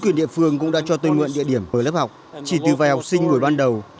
quyền địa phương cũng đã cho tôi nguyện địa điểm với lớp học chỉ từ vài học sinh buổi ban đầu